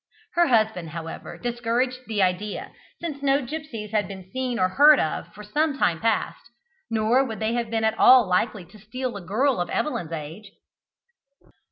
Her husband, however, discouraged the idea, since no gipsies had been seen or heard of for some time past; nor would they have been at all likely to steal a girl of Evelyn's age.